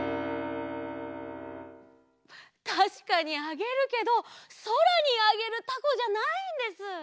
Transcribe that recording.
たしかにあげるけどそらにあげるたこじゃないんです。